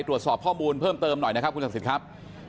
ตรวจสอบข้อมูลเพิ่มเติมหน่อยนะครับคุณศักดิ์สิทธิ์ครับ